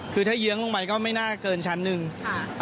คือถ้าเยื้องลงไปก็ไม่น่าเกินชั้นหนึ่งค่ะ